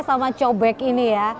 sama cobek ini ya